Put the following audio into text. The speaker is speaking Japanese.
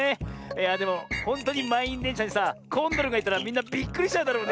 いやでもほんとうにまんいんでんしゃにさコンドルがいたらみんなびっくりしちゃうだろうね。